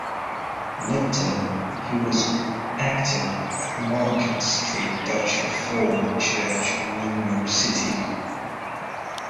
Later, he was active at Market Street Dutch Reform Church in New York City.